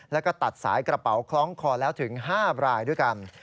แล้วก็ตัดสายกระเป๋าคล้องคอแล้วถึง๕รายด้วยกัน